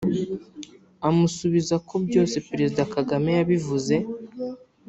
amusubiza ko byose Perezida Kagame yabivuze